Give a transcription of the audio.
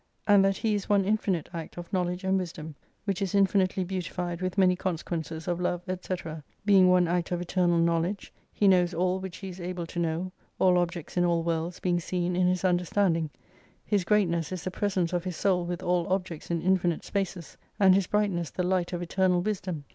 And that He is one infinite Act of KNOWLEDGE and WISDOM, which is infinitely beautified with many con sequences of Love &c. Being one Act of Eternal Knowledge, He knows all which He is able to know, all objects in all worlds being seen in His understanding, His greatness is the presence of His soul with all objects in infinite spaces : and His brightness the light of Eternal Wisdom.